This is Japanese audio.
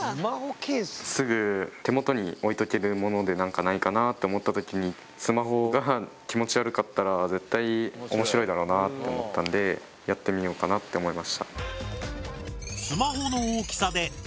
すぐ手元に置いとけるもので何かないかなって思った時にスマホが気持ち悪かったら絶対面白いだろうなって思ったんでやってみようかなって思いました。